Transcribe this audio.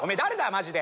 マジで。